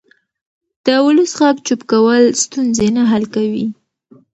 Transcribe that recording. د ولس غږ چوپ کول ستونزې نه حل کوي